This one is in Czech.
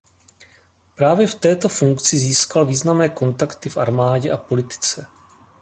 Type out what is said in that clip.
Právě v této funkci získal významné kontakty v armádě a politice.